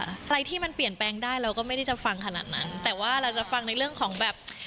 อะไรที่มันเปลี่ยนแปลงได้เราก็ไม่ได้จะฟังขนาดนั้นแต่ว่าเราจะฟังในเรื่องของแบบ